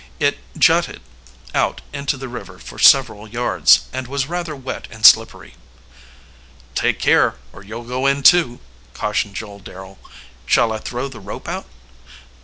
It jutted out into the river for several yards, and was rather wet and slippery. "Take care, or you'll go in too," cautioned Joel Darrel. "Shall I throw the rope out?"